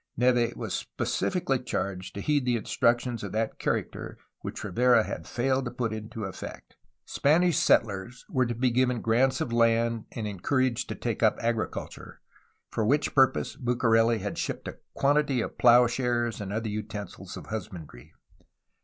Neve was specifically charged to heed the instructions of that character which Rivera had failed to put into effect. Spanish settlers were to be given grants of land and en couraged to take up agriculture, for which purpose Bucareli had shipped a quantity of plough shares and other utensils of husbandry.